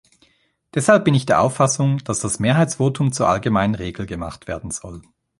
Deshalb bin ich der Auffassung, dass das Mehrheitsvotum zur allgemeinen Regel gemacht werden soll.